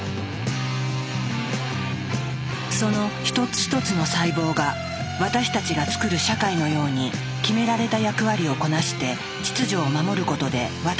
その一つ一つの細胞が私たちがつくる社会のように決められた役割をこなして秩序を守ることで私たちは生きている。